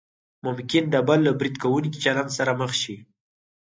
ممکن د بل له برید کوونکي چلند سره مخ شئ.